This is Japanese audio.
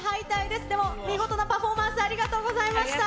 でも、見事なパフォーマンス、ありがとうございました。